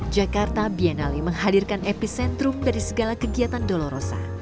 jakarta biennale menghadirkan epicentrum dari segala kegiatan dolorosa